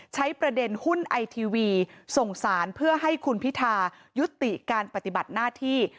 ใช้ประเด็นหุ้นไอทีวีส่งสารเพื่อให้คุณพิทายุติการปฏิบัติหน้าที่